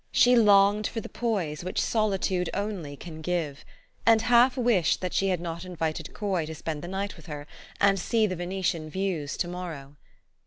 She longed for the poise which soli tude only can give, and half wished that she had not invited Coy to spend the night with her, and see the Venetian views to morrow.